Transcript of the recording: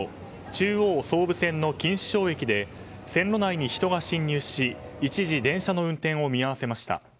中央総武線の錦糸町駅で線路内に人が侵入し一時電車の運転を見合わせました。